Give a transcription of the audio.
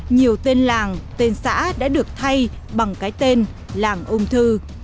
nhiều tên làng tên xã đã được thay bằng cái tên làng ung thư